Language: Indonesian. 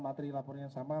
materi laporan yang sama